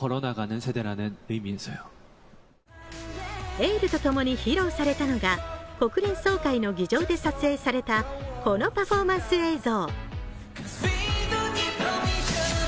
エールとともに披露されたのが国連総会の議場で撮影された、このパフォーマンス映像。